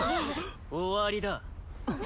終わりだ。